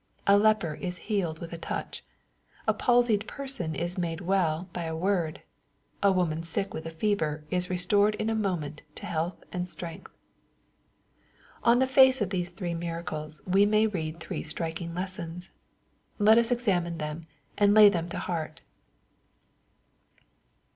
A leper is healed with a touch. A palsied person is made weU by a word. A woman sick with a fever is restored in a moment to health and strength. On the face of these three miracles, we may read three striking lessons. Let us examine them, and lay them to heart.